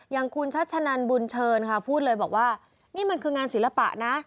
อย่างคุณชัชนันบุญเชิญค่ะพูดเลยบอกว่านี่มันคืองานศิลปะนะ